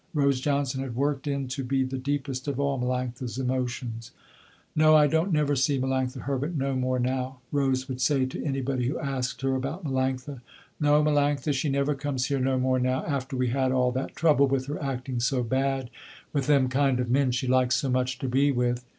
Rose Johnson had worked in to be the deepest of all Melanctha's emotions. "No, I don't never see Melanctha Herbert no more now," Rose would say to anybody who asked her about Melanctha. "No, Melanctha she never comes here no more now, after we had all that trouble with her acting so bad with them kind of men she liked so much to be with.